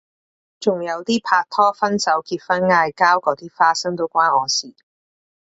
仲有啲拍拖分手結婚嗌交嗰啲花生都關我事